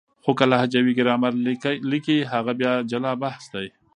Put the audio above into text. خو که لهجوي ګرامر ليکي هغه بیا جلا بحث دی.